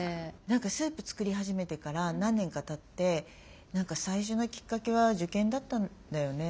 何かスープ作り始めてから何年かたって「最初のきっかけは受験だったんだよね。